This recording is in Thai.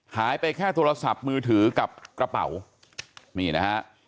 หายไปแค่โทรศัพท์มือถือกับกระเป๋านี่นะฮะ